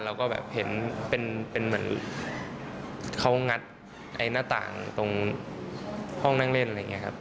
แล้วก็แบบเห็นเป็นเหมือนเขางัดไอ้หน้าต่างตรงห้องนั่งเล่นอะไรอย่างนี้ครับ